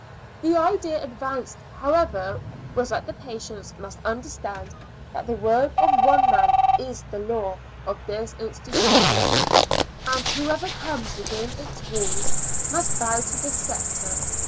The idea advanced, however, was, that the patients must understand that . the word of one man is the law of this institution, and whoever comes within its w,all& must bow to this scepter.